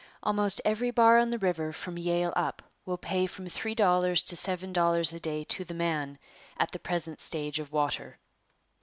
Almost every bar on the river from Yale up will pay from three dollars to seven dollars a day to the man at the present stage of water.